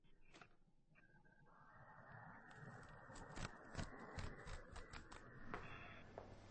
Hassan jugó para Rio Ave en equipos menores para crecer como jugador.